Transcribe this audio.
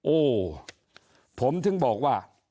โอ้ผมถึงบอกว่า